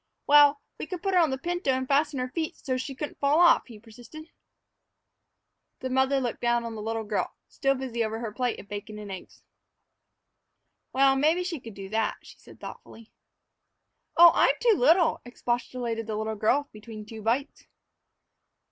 "Well, we could put her on the pinto and fasten her feet so's she couldn't fall off," he persisted. The mother looked down at the little girl, still busy over her plate of bacon and eggs. "Well, maybe she could do that," she said thoughtfully. "Oh, I'm too little," expostulated the little girl, between two bites.